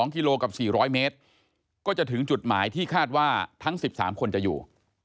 กิโลกับ๔๐๐เมตรก็จะถึงจุดหมายที่คาดว่าทั้ง๑๓คนจะอยู่